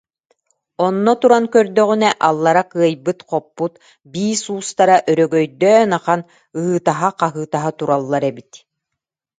Онно туран көрдөҕүнэ, аллара кыайбыт-хоппут биис уустара өрөгөйдөөн ахан, ыһыытаһа-хаһыытаһа тураллар эбит